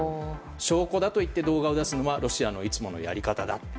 証拠だと言って動画を出すのはロシアのいつものやり方だと。